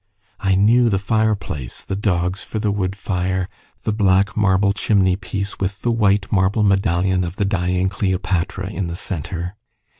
I knew the fireplace the dogs for the wood fire the black marble chimney piece with the white marble medallion of the dying Cleopatra in the centre.